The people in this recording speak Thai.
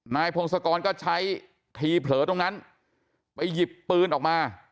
พงศกรก็ใช้ทีเผลอตรงนั้นไปหยิบปืนออกมา